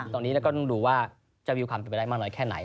ตอนนี้เราก็ต้องดูว่าจะมีความเป็นไปได้มากน้อยแค่ไหน